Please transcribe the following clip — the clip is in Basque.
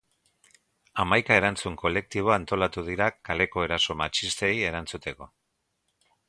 Hamaika erantzun kolektibo antolatu dira kaleko eraso matxistei erantzuteko.